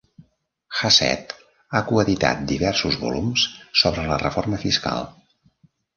Hassett ha coeditat diversos volums sobre la reforma fiscal.